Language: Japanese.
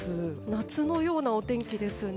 夏のようなお天気ですね。